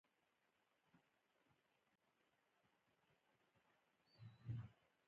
غلام حیدر حمیدي د کندهار ښاروال وټاکل سو